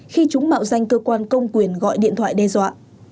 khi chúng mạo danh cơ quan công quyền gọi điện thoại đe dọa